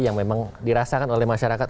yang memang dirasakan oleh masyarakat